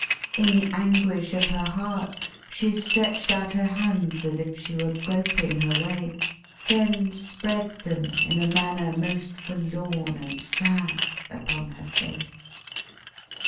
In the anguish of her heart, she stretched out her hands, as if she were groping her way; then spread them, in a manner most forlorn and sad, upon her face.